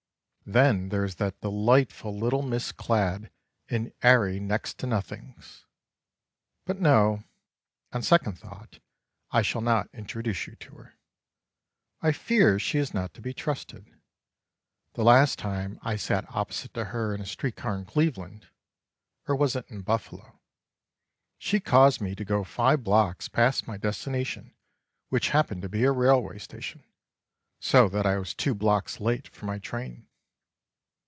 Then there is that delightful little Miss clad in airy next to nothings—but no, on second thought I shall not introduce you to her. I fear she is not to be trusted. The last time I sat opposite to her in a street car in Cleveland—(or was it in Buffalo)—she caused me to go five blocks past my destination which happened to be a railway station, so that I was two blocks late for my train.